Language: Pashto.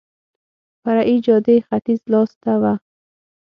فرعي جادې ختیځ لاس ته وه.